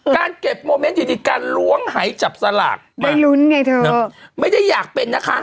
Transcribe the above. การเก็บโมเมนต์อยู่ดีการล้วงหายจับสลากไม่ลุ้นไงเธอไม่ได้อยากเป็นนะคะ